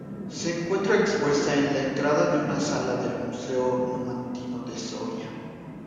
Se encuentra expuesta en la entrada de una sala del Museo Numantino de Soria.